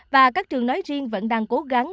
và các trường nói riêng vẫn đang cố gắng